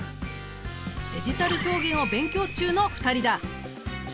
デジタル表現を勉強中の２人だ！